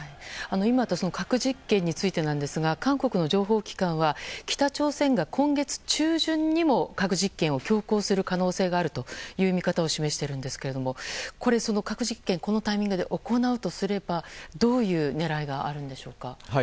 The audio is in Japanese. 今、核実験についてですが韓国の情報機関は北朝鮮が今月中旬にも核実験を強行する可能性があるという見方を示しているんですけど核実験、このタイミングで行うとすればどういう狙いがあるんでしょうか。